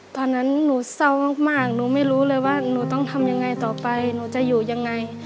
ตอนนั้นหนูเศร้ามากหนูไม่รู้เลยว่าหนูต้องทำยังไงต่อไปหนูจะอยู่ยังไง